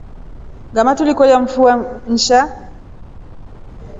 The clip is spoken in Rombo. Ngʼaama tulikolya mvua nsha.